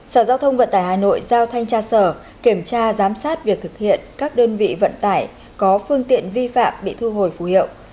sở giao thông vận tải hà nội giao thanh tra sở kiểm tra giám sát việc thực hiện các đơn vị vận tải có phương tiện vi phạm bị thu hồi phù hiệu